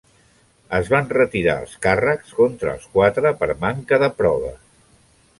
Es van retirar els càrrecs contra els quatre per manca de proves.